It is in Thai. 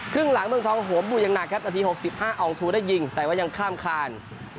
ครึ่งหลังเมืองทองหัวบูอย่างหนักครับนาที๖๕อองทูได้ยิงแต่ว่ายังข้ามคาน